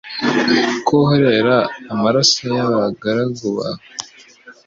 ko uhorera amaraso y’abagaragu bawe